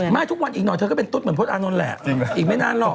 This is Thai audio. ไม่ทุกวันอีกหน่อยเธอก็เป็นตุ๊ดเหมือนพลตอานนท์แหละอีกไม่นานหรอก